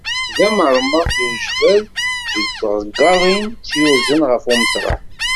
Tebda amermeɣ d ujbad deg tɣeggaḍin i tt-yurzen ɣer umeṭreḥ.